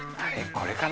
これかな？